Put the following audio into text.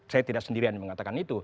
saya tidak sendirian mengatakan itu